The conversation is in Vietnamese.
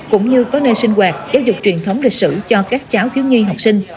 cũng như có nơi sinh hoạt giáo dục truyền thống lịch sử cho các cháu thiếu nhi học sinh